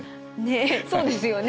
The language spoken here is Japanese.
そうですよね。